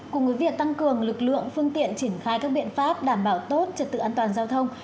cùng với việc tăng cường lực lượng phương tiện triển khai các biện pháp đảm bảo tốt trật tự an toàn giao thông